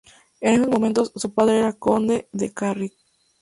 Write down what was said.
En esos momentos, su padre era conde de Carrick.